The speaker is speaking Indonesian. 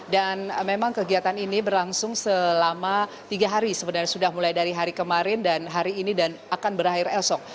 dan memang kegiatan ini berlangsung selama tiga hari sebenarnya sudah mulai dari hari kemarin dan hari ini dan akan berakhir esok